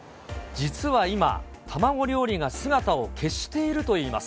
実は今、卵料理が姿を消しているといいます。